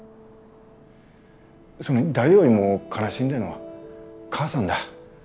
それに誰よりも悲しんでんのは母さんだ。